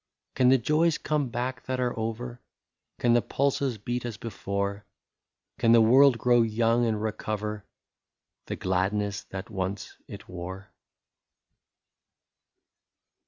'* Can the joys come back that are over, Can the pulses beat as before, Can the world grow young, and recover The gladness that once it wore